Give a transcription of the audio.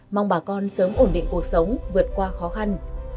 mong bà con sớm ổn định cuộc sống vượt qua khó khăn